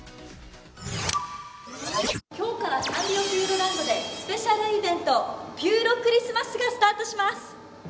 今日からサンリオピューロランドでスペシャルイベントピューロクリスマスがスタートします。